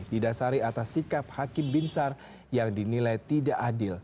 didasari atas sikap hakim binsar yang dinilai tidak adil